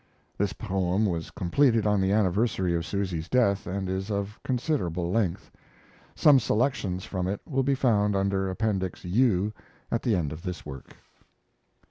[This poem was completed on the anniversary of Susy's death and is of considerable length. Some selections from it will be found under Appendix U, at the end of this work.